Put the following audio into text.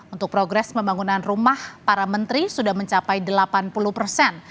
untuk progres pembangunan rumah para menteri sudah mencapai delapan puluh persen